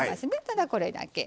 ただこれだけ。